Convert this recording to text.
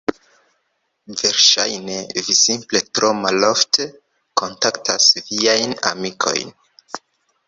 Verŝajne vi simple tro malofte kontaktas viajn amikojn.